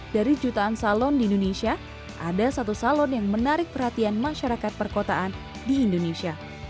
dari jutaan salon di indonesia ada satu salon yang menarik perhatian masyarakat perkotaan di indonesia